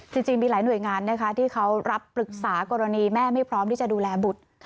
จริงพี่หลายหน่วยงานที่เขารับปรึกษากรณีแม่ไม่พร้อมดูแลบุฏ